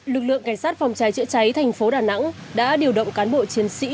lực lượng cảnh sát phòng cháy chữa cháy thành phố đà nẵng đã điều động cán bộ chiến sĩ